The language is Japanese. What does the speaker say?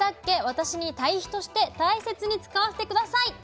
私にたい肥として大切に使わせて下さい！」。